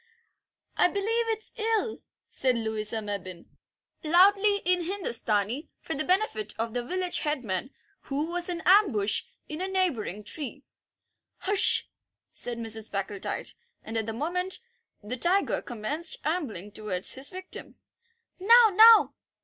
"I believe it's ill," said Louisa Mebbin, loudly in Hindustani, for the benefit of the village headman, who was in ambush in a neighbouring tree. "Hush!" said Mrs. Packletide, and at that moment the tiger commenced ambling towards his victim. "Now, now!"